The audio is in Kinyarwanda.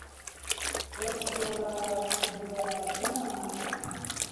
Urashobora kungira inama nziza?